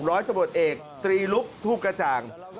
ร้อยตะบดเอกจรีรุปทูกกระจ่าง